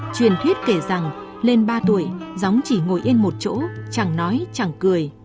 truyền thuyết kể rằng lên ba tuổi gióng chỉ ngồi yên một chỗ chẳng nói chẳng cười